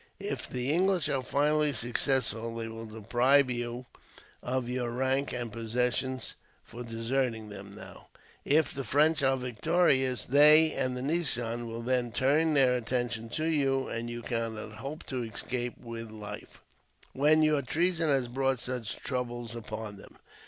If the English are finally successful, they will deprive you of your rank and possessions for deserting them now. If the French are victorious, they and the nizam will then turn their attention to you; and you cannot hope to escape with life, when your treason has brought such troubles upon them."